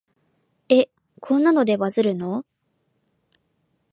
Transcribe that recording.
え、こんなのでバズるの？